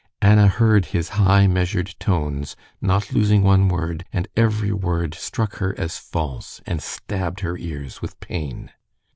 Anna heard his high, measured tones, not losing one word, and every word struck her as false, and stabbed her ears with pain.